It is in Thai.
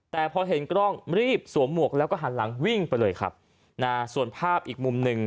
แต่พอเห็นกร้องรีบสวมหมวก